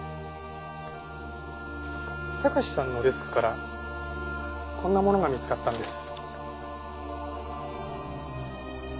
貴史さんのデスクからこんなものが見つかったんです。